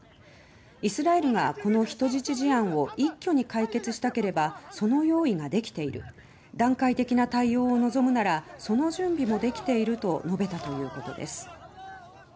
イスラエルがこの人質事案を一挙に解決したければその用意ができている段階的な対応を望むならその準備もできていると述べたということです。